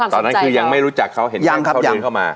ตอนนั้นคือยังไม่รู้จักเขาเห็นเขาเดินเข้ามา